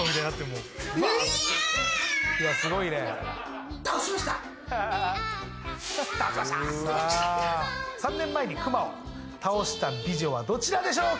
うわー３年前に熊を倒した美女はどちらでしょうか？